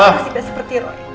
masih tidak seperti roy